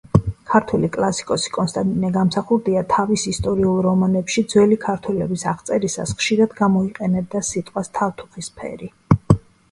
ქართველი კლასიკოსი კონსტანტინე გამსახურდია თავის ისტორიულ რომანებში, ძველი ქართველების აღწერისას, ხშირად გამოიყენებდა სიტყვას თავთუხისფერი.